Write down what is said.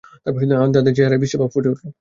তাদের চেহারায় বিস্ময় ভাব ফুটে উঠল।